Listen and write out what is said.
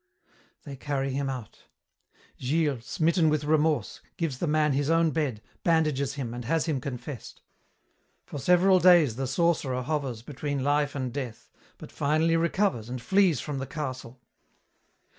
They carry him out. Gilles, smitten with remorse, gives the man his own bed, bandages him, and has him confessed. For several days the sorcerer hovers between life and death but finally recovers and flees from the castle.